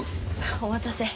お待たせ。